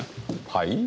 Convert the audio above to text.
はい？